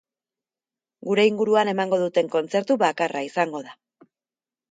Gure inguruan emango duten kontzertu bakarra izango da.